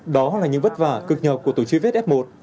đó là những vất vả cực nhọc của tổ chứa vết f một